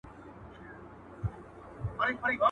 د هېواد داخلي تولیداتو ته باید لومړیتوب ورکړل سي.